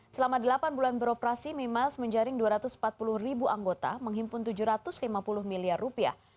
selama delapan bulan beroperasi mimiles menjaring dua ratus empat puluh ribu anggota menghimpun tujuh ratus lima puluh miliar rupiah